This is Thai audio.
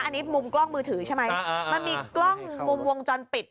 อันนี้มุมกล้องมือถือใช่ไหมมันมีกล้องมุมวงจรปิด